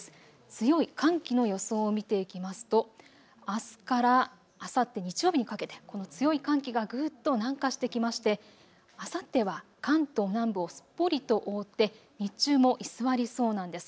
強い寒気の予想を見ていきますとあすからあさって日曜日にかけてこの強い寒気がぐっと南下してきましてあさっては関東南部をすっぽりと覆って日中も居座りそうなんです。